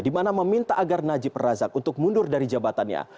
di mana meminta agar najib razak untuk mundur dari jabatannya